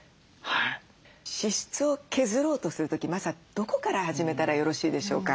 支出を削ろうとする時まずはどこから始めたらよろしいでしょうか？